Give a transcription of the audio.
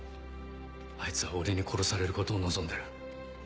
あいつは俺に殺されることを望んでる。